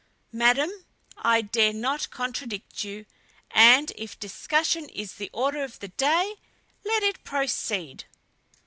"Madam, I dare not contradict you, and if discussion is the order of the day, let it proceed."